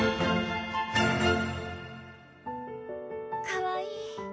かわいい